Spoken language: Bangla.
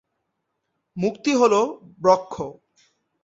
মুক্তি হল ব্রহ্ম।